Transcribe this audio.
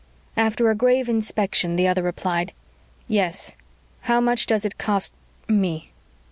After a grave inspection, the other replied, "Yes. How much does it cost me?"